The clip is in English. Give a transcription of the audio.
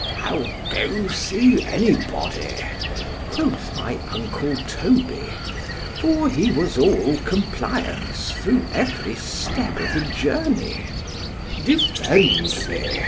——I'll go see any body, quoth my uncle Toby; for he was all compliance through every step of the journey——Defend me!